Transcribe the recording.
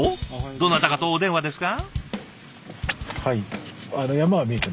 どなたかとお電話ですか？